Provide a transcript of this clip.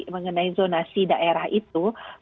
mengenai zonasi daerah itu